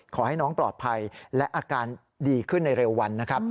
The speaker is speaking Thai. ขอให้น้องปลอดภัยและอาการดีขึ้นในเร็ววันนะครับ